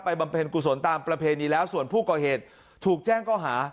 บำเพ็ญกุศลตามประเพณีแล้วส่วนผู้ก่อเหตุถูกแจ้งก็หา